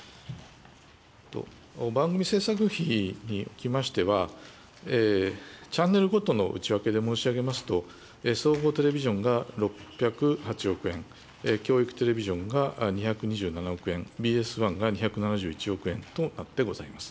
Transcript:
番組制作費におきましては、チャンネルごとの内訳で申し上げますと、総合テレビジョンが６０８億円、教育テレビジョンが２２７億円、ＢＳ１が２７１億円となってございます。